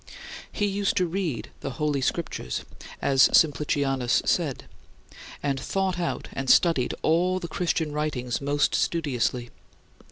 He used to read the Holy Scriptures, as Simplicianus said, and thought out and studied all the Christian writings most studiously.